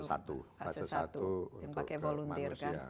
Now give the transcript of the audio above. fase satu yang pakai volunteer kan